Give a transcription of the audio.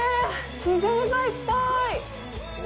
自然がいっぱい。